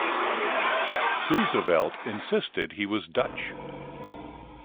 Roosevelt insisted he was Dutch.